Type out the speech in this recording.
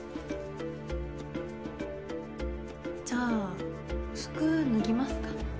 じゃあ服脱ぎますか。